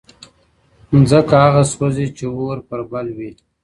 ¬ مځکه هغه سوځي، چي اور پر بل وي.